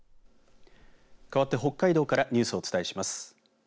かわって北海道からニュースをお伝えします。